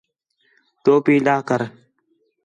ٹوپی لہہ کر